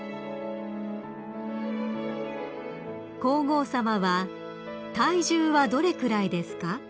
［皇后さまは「体重はどれくらいですか？」